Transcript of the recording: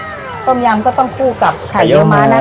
น้ำต้มยำก็ต้องคู่กับไข่เยียมมะนะคะ